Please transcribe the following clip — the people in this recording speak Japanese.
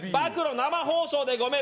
生放送でごめん。